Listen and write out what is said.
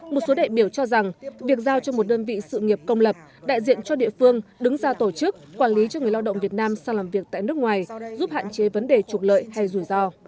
một số đại biểu cho rằng việc giao cho một đơn vị sự nghiệp công lập đại diện cho địa phương đứng ra tổ chức quản lý cho người lao động việt nam sang làm việc tại nước ngoài giúp hạn chế vấn đề trục lợi hay rủi ro